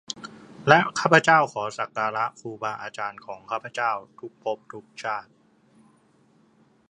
และข้าพเจ้าขอสักการะครูบาอาจารย์ของข้าพเจ้าทุกภพทุกชาติ